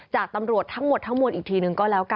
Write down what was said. จากตำรวจทั้งหมดอีกทีหนึ่งก็แล้วกัน